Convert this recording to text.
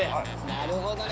なるほどね。